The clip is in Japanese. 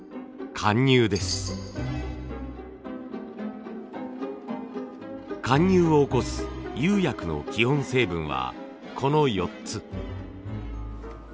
貫入を起こす釉薬の基本成分はこの４つ。